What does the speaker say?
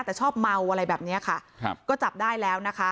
แต่ชอบเมาอะไรแบบเนี้ยค่ะครับก็จับได้แล้วนะคะ